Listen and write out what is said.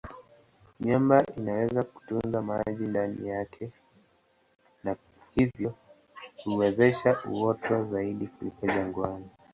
Miamba inaweza kutunza maji ndani yake na hivyo kuwezesha uoto zaidi kuliko jangwani.